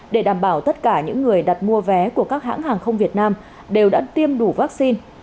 để đảm bảo tất cả những người đặt mua vé của các hãng hàng không việt nam đều đã tiêm đủ vaccine